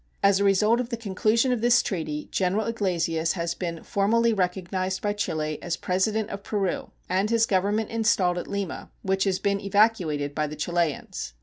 As a result of the conclusion of this treaty General Iglesias has been formally recognized by Chile as President of Peru and his government installed at Lima, which has been evacuated by the Chileans.